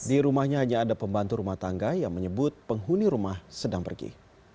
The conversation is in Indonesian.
di rumahnya hanya ada pembantu rumah tangga yang menyebut penghuni rumah sedang pergi